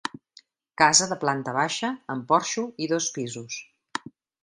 Casa de planta baixa, amb porxo, i dos pisos.